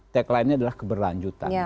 tagline nya adalah keberlanjutan